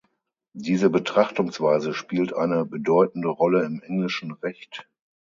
Diese Betrachtungsweise spielt eine bedeutende Rolle im englischen Recht.